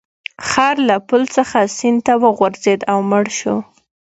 خر له پل څخه سیند ته وغورځید او مړ شو.